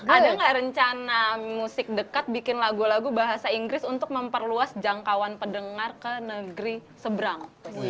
ada nggak rencana musik dekat bikin lagu lagu bahasa inggris untuk memperluas jangkauan pendengar ke negeri seberang